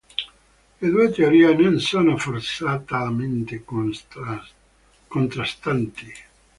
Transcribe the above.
Le due teorie non sono forzatamente contrastanti.